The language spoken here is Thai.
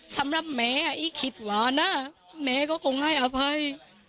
สำหรับแม่อีคิดว่านะแม่ก็คงให้อภัย